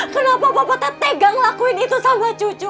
kenapa papa teh tegang ngelakuin itu sama cucu